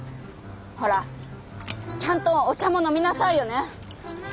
ほらちゃんとお茶も飲みなさいよね！